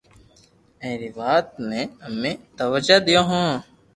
ائرو وات نيي امي توجِ ديو ھون